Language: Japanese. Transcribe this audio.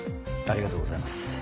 ありがとうございます。